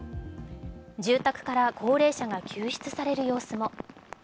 住宅から高齢者が救出される様子も。